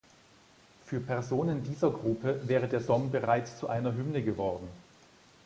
Für Personen dieser Gruppe wäre der Song bereits zu einer Hymne geworden.